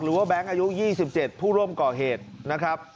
แบงค์อายุ๒๗ผู้ร่วมก่อเหตุนะครับ